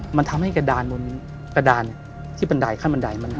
มันทำให้กระดานบนกระดานที่บันไดขั้นบันไดมัน